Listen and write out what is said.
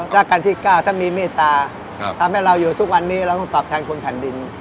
ราชการที่๙ถ้ามีเมตตาทำให้เราอยู่ทุกวันนี้เราต้องตอบแทนคุณแผ่นดิน